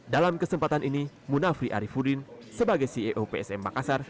dalam kesempatan ini munafri arifudin sebagai ceo psm makassar